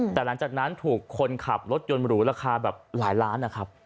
แต่หลังจากนั้นถูกคนขับรถยนต์หรูราคาแบบหลายล้านนะครับ